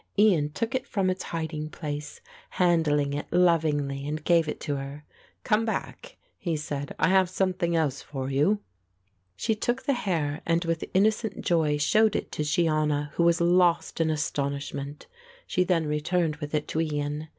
Ian took it from its hiding place, handling it lovingly and gave it her. "Come back," he said, "I have something else for you." She took the hair and with innocent joy showed it to Shiona, who was lost in astonishment. She then returned with it to Ian.